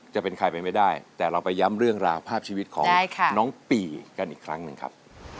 จะเป็นใครเป็นไม่ได้แต่เราไปย้ำเรื่องราวภาพชีวิตของน้องปีกันอีกครั้งหนึ่งครับ